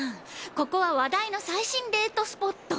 ここは話題の最新デートスポット。